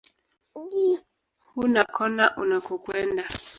Hunakona unakokwenda.